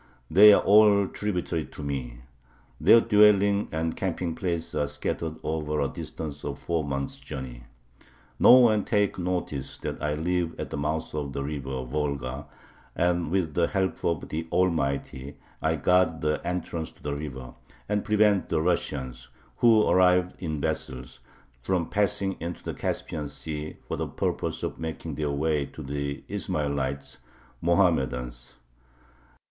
They are all tributary to me. Their dwellings and camping places are scattered over a distance of a four months' journey. Know and take notice that I live at the mouth of the river [Volga], and with the help of the Almighty I guard the entrance to this river, and prevent the Russians, who arrive in vessels, from passing into the Caspian Sea for the purpose of making their way to the Ishmaelites [Mohammedans].